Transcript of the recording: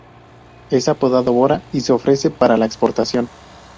Es apodado "Bora" y se ofrece para la exportación.